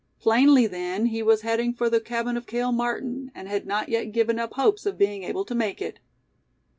Plainly then, he was heading for the cabin of Cale Martin, and had not yet given up hopes of being able to make it.